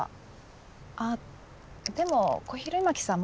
あっでも小比類巻さん